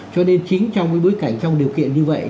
cho nên chính trong cái bối cảnh trong điều kiện như vậy